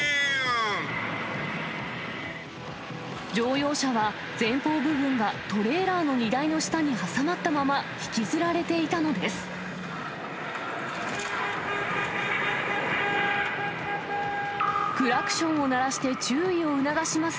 乗用車は前方部分がトレーラーの荷台の下に挟まったまま、引きずられていたのです。